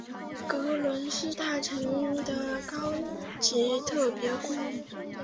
格伦是大臣的高级特别顾问。